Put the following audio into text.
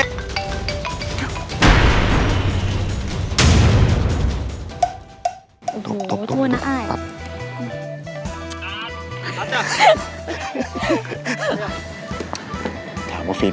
โอ้โหตบตบตบอ่าเรื่อง